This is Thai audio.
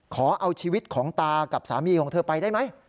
ขอเอาชีวิตของตากับสามีของเธอไปได้ไหม